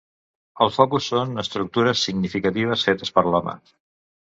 El focus són estructures significatives fetes per l'home.